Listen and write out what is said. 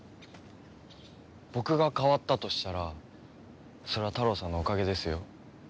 僕が変わったとしたらそれはタロウさんのおかげですよ。